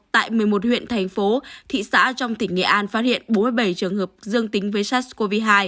tại một mươi một huyện thành phố thị xã trong tỉnh nghệ an phát hiện bốn mươi bảy trường hợp dương tính với sars cov hai